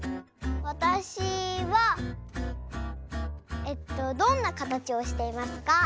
わたしはえっとどんなかたちをしていますか？